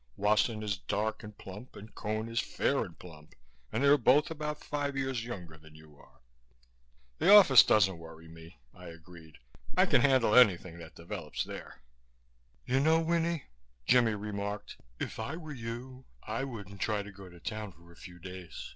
Wasson is dark and plump and Cone is fair and plump and they're both about five years younger than you are." "The office doesn't worry me," I agreed. "I can handle anything that develops there." "You know, Winnie," Jimmie remarked, "if I were you I wouldn't try to go to town for a few days.